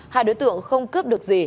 hai đối tượng không cướp được gì